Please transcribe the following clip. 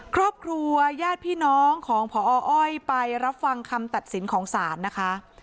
ครอบครัวญาติพี่น้องของพออ้อยไปรับฟังคำตัดสินของศาลนะคะ